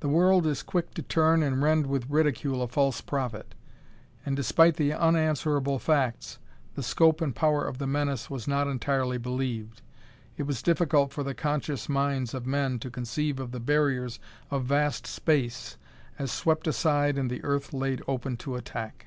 The world is quick to turn and rend with ridicule a false prophet. And despite the unanswerable facts, the scope and power of the menace was not entirely believed. It was difficult for the conscious minds of men to conceive of the barriers of vast space as swept aside and the earth laid open to attack.